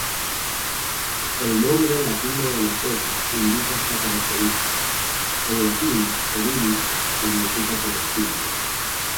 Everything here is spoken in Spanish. El nombre latino de la seta indica esta característica: en latín "edulis" significa comestible.